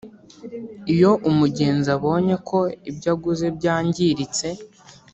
Iyo umugenzi abonye ko ibyo aguze byangiritse